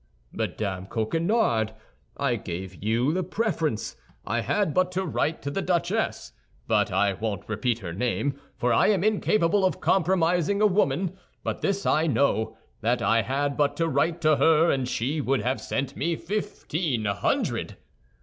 "Madame Coquenard, I gave you the preference. I had but to write to the Duchesse—but I won't repeat her name, for I am incapable of compromising a woman; but this I know, that I had but to write to her and she would have sent me fifteen hundred."